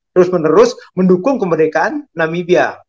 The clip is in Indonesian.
terus menerus mendukung kemerdekaan namibia